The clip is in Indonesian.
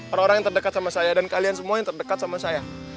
orang orang yang terdekat sama saya dan kalian semua yang terdekat sama saya